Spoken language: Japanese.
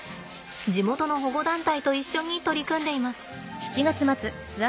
地元の保護団体と一緒に取り組んでいます。